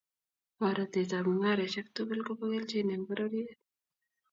Boratet ab mung'areshek tugul kobo keljin eng bororyet